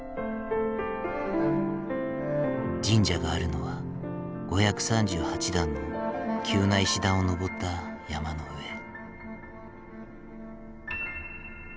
神社があるのは５３８段の急な石段を上った山の上。